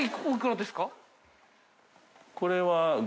これは）